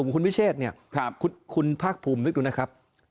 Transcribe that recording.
คุณวิเชษเนี่ยคุณภาคภูมินึกดูนะครับ